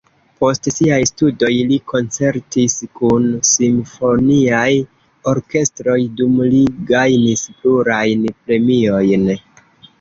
Post siaj studoj li koncertis kun simfoniaj orkestroj, dum li gajnis plurajn premiojn.